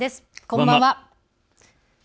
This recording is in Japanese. こんばんは。